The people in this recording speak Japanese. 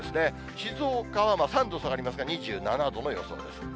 静岡は３度下がりますが、２７度の予想です。